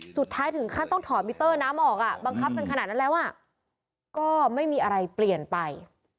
สุดท้ายถึงขั้นต้องถอดมิเตอร์น้ำออกอ่ะบังคับกันขนาดนั้นแล้วก็ไม่มีอะไรเปลี่ยนไป